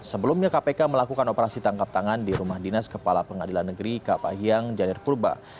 sebelumnya kpk melakukan operasi tangkap tangan di rumah dinas kepala pengadilan negeri kapahiang janer purba